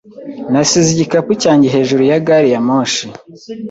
Nasize igikapu cyanjye hejuru ya gari ya moshi.